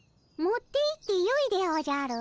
持っていってよいでおじゃる。